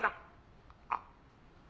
あっ！